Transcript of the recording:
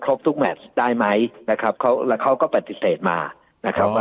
ทุกแมชได้ไหมนะครับเขาแล้วเขาก็ปฏิเสธมานะครับว่า